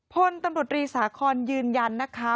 พลตำรวจรีสาคอนยืนยันนะคะ